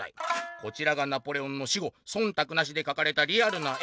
「こちらがナポレオンの死後そんたくなしで描かれたリアルな絵。